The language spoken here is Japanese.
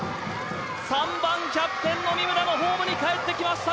３番キャプテンの三村もホームにかえってきました